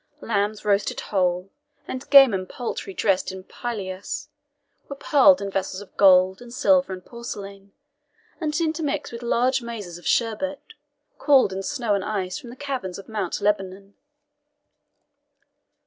Lambs roasted whole, and game and poultry dressed in pilaus, were piled in vessels of gold, and silver, and porcelain, and intermixed with large mazers of sherbet, cooled in snow and ice from the caverns of Mount Lebanon.